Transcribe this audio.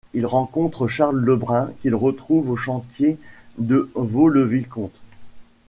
Il rencontre Charles Le Brun, qu'il retrouve aux chantiers de Vaux-le-Vicomte.